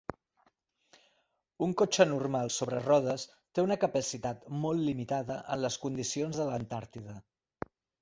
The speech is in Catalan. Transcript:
Un cotxe normal sobre rodes té una capacitat molt limitada en les condicions de l'Antàrtida.